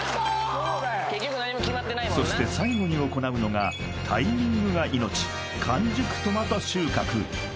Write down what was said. ・そうだよそして最後に行うのがタイミングが命完熟トマト収穫